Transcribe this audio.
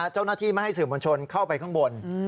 เจ้าหน้าที่ไม่ให้ซืมุโบรกณ์ชนเข้าไปข้างบน